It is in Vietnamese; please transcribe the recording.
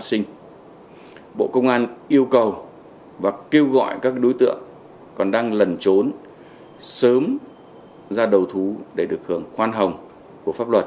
các bộ công an yêu cầu và kêu gọi các đối tượng còn đang lần trốn sớm ra đầu thú để được khoan hồng của pháp luật